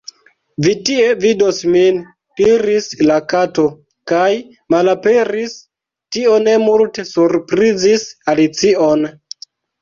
"Vi tie vidos min," diris la Kato kaj malaperis! Tio ne multe surprizis Alicion.